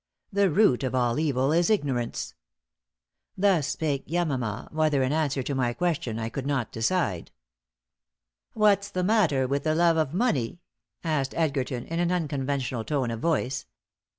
The root of all evil is ignorance." Thus spake Yamama, whether in answer to my question I could not decide. "What's the matter with the love of money?" asked Edgerton, in an unconventional tone of voice.